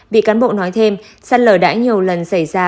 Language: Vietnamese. bị cán bộ nói thêm sát lờ đã nhiều lần xảy ra